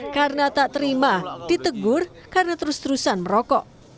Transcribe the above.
karena tak terima ditegur karena terus terusan merokok